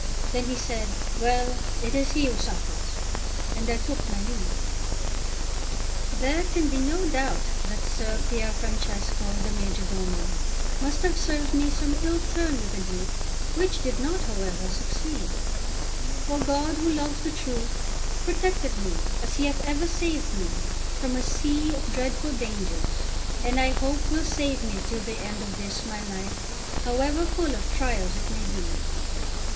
Then he said: "Well, it is he who suffers!" and I took my leave. There can be no doubt that Ser Pier Francesco, the majordomo, must have served me some ill turn with the Duke, which did not, however, succeed; for God, who loves the truth, protected me, as He hath ever saved me, from a sea of dreadful dangers, and I hope will save me till the end of this my life, however full of trials it may be.